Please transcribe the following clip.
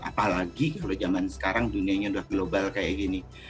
apalagi kalau zaman sekarang dunianya udah global kayak gini